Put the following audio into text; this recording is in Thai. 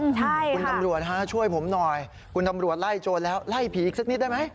ใช่คุณตำรวจฮะช่วยผมหน่อยคุณตำรวจไล่โจรแล้วไล่ผีอีกสักนิดได้ไหม